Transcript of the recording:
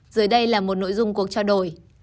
dưới đây là một nội dung cuộc trao đổi